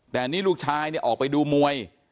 แต่นี่ลูกชายเนี่ยออกไปดูมวย